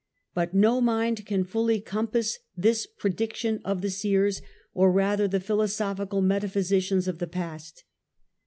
But no mind can fully compass this prediction of the seers, or rather the philosophical metaphysi cians of the past.